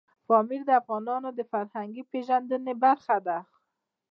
پامیر د افغانانو د فرهنګي پیژندنې برخه ده.